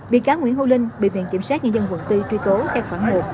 bị cáo nguyễn hữu linh bị viện kiểm sát nhân dân quận bốn truy tố theo khoảng một